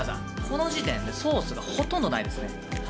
この時点でソースがほとんどないですね。